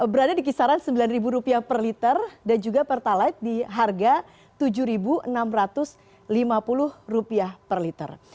berada di kisaran rp sembilan per liter dan juga pertalite di harga rp tujuh enam ratus lima puluh per liter